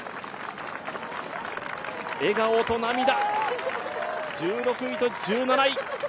笑顔と涙、１６位と１７位。